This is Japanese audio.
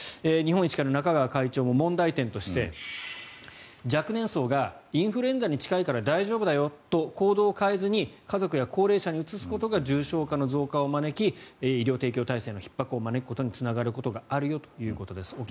日本医師会の中川会長も問題点として若年層がインフルエンザに近いから大丈夫だよと行動を変えずに家族や高齢者にうつすことが重症者の増加を招き医療提供体制のひっ迫を招くことにつながることがあるよということです。